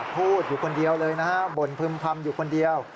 พูดอยู่คนเดียวเลยนะฮะบ่นพึ่มพำอยู่คนเดียว